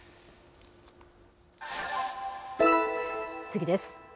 次です。